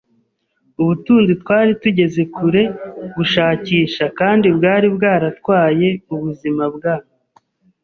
ubutunzi twari tugeze kure gushakisha kandi bwari bwaratwaye ubuzima bwa